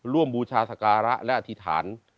ร่วมบูชาศักระและอธิษฐาน